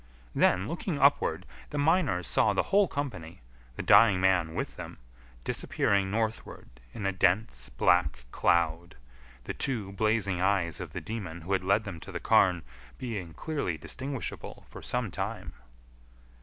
Then, looking upward, the miners saw the whole company the dying man with them disappearing northward in a dense black cloud, the two blazing eyes of the demon who had led them to the Carn being clearly distinguishable for some time.